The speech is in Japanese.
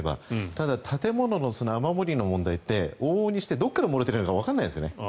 ただ、建物の雨漏りの問題って往々にしてどこから漏れているかわからないですよね。